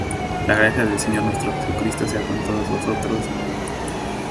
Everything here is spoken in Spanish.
La gracia del Señor nuestro Jesucristo sea con todos vosotros. Amén.